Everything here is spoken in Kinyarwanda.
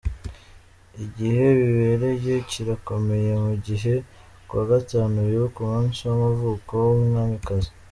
Igihe bibereye kirakomeye, mu gihe ku wa gatanu bibuka umusi w'amavuka w'umwamikazi.